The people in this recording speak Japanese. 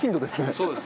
そうです。